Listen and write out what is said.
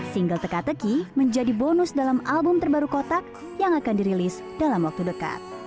single teka teki menjadi bonus dalam album terbaru kotak yang akan dirilis dalam waktu dekat